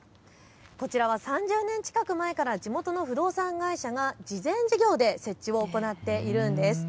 こちらは３０年近く前から地元の不動産会社が慈善事業で設置を行っているんです。